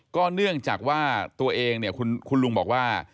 เนื่องจากว่าตัวเองเนี่ยคุณลุงบอกว่า